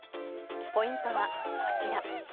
ポイントはこちら。